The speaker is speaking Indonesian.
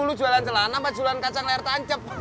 lu jualan celana apa jualan kacang layar tancap